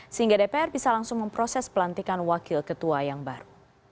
sehingga dpr bisa langsung memproses pelantikan wakil ketua yang baru